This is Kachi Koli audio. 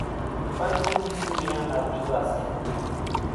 پرڀُو ايسُو اينيان نا ۮيوا سي